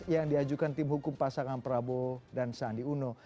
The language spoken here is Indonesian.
yang diajukan tim hukum pasangan prabowo dan sandi uno